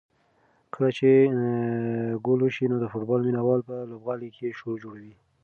کله چې ګول وشي نو د فوټبال مینه وال په لوبغالي کې شور جوړوي.